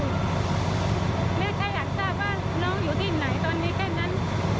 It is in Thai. แม่ก็อยากทราบว่าน้องอยู่ที่ไหนตอนนี้แค่นั้น